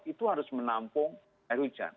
itu harus menampung air hujan